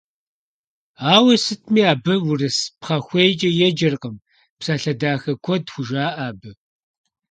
Ауэ сытми абы урыс пхъэхуейкӀэ еджэркъым, псалъэ дахэ куэд хужаӀэ абы.